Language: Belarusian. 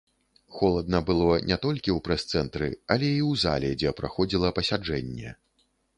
Холадна было не толькі ў прэс-цэнтры, але і ў зале, дзе праходзіла пасяджэнне.